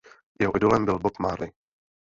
Jeho idolem byl Bob Marley.